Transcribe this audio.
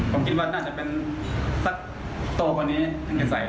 ผมคิดว่าน่าจะเป็นสักโตกว่านี้ที่ใส่ได้